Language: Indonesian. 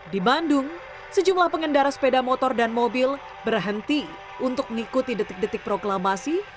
di bandung sejumlah pengendara sepeda motor dan mobil berhenti untuk mengikuti detik detik proklamasi